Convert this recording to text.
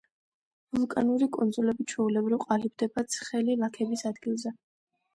ვულკანური კუნძულები ჩვეულებრივ ყალიბდება ცხელი ლაქების ადგილზე.